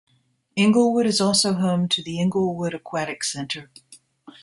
Inglewood is also home to the Inglewood Aquatic Centre.